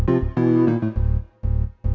ini udah di sini